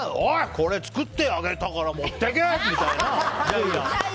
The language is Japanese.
これ作ってあげたから持っていけ！みたいな。